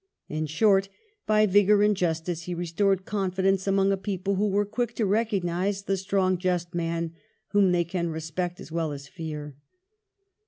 In short, by vigour and justice, he restored confidence among a people who are quick to recognise the strong just man whom they can respect as well as fear.